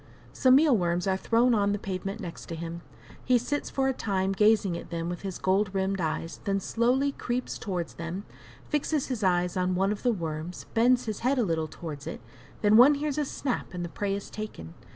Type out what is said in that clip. Some meal worms are thrown on the pavement near him. He sits for a time gazing at them with his gold rimmed eyes; then slowly creeps towards them, fixes his eyes on one of the worms bends his head a little towards it, then one hears a snap and the prey is taken.